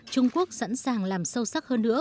trung quốc sẵn sàng làm sâu sắc hơn nữa